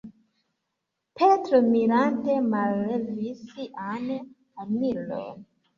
Petro mirante mallevis sian armilon.